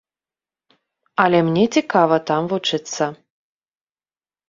Але мне цікава там вучыцца.